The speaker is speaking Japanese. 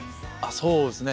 そうですね。